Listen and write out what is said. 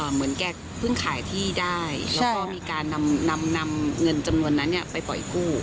เหมือนแกเพิ่งขายที่ได้แล้วก็มีการนำเงินจำนวนนั้นไปปล่อยกู้